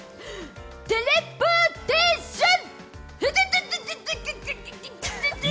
テレポーテーション！